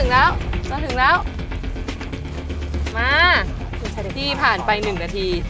ไลค์ชะติพี่ผ่านไป๑นาที